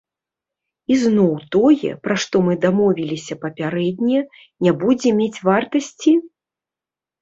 Ізноў тое, пра што мы дамовіліся папярэдне, не будзе мець вартасці?